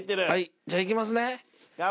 じゃあいきますね。